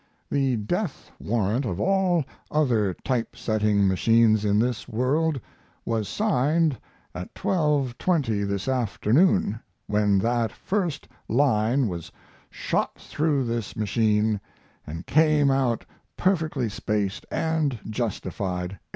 The death warrant of all other type setting machines in this world was signed at 12.20 this afternoon, when that first line was shot through this machine and came out perfectly spaced and justified.